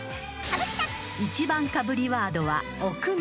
［１番かぶりワードは「奥宮」］